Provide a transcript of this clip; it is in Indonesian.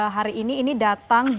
hari ini ini berapa lama